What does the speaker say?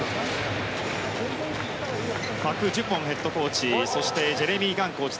パク・ジュボンヘッドコーチそしてジェレミー・ガンコーチ。